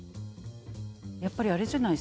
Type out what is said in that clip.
やっぱりあれじゃないですか。